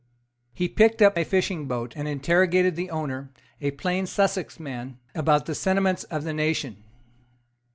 He picked up a fishing boat, and interrogated the owner, a plain Sussex man, about the sentiments of the nation.